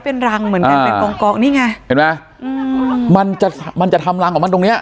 เป็นรังเหมือนกันเป็นกองกองนี่ไงเห็นไหมอืมมันจะมันจะทำรังของมันตรงเนี้ย